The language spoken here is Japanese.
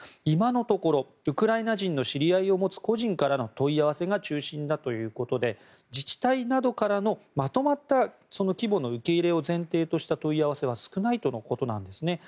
今のところ、ウクライナ人の知り合いを持つ個人からの問い合わせが中心だということで自治体などからのまとまった規模の受け入れを前提とした問い合わせは少ないとのことです。